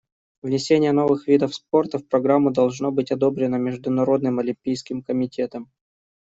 Внесение новых видов спорта в программу должно быть одобрено Международным олимпийским комитетом.